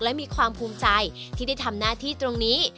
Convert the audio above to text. และมีความภูมิใจที่ได้ทำหน้าที่ตรงนี้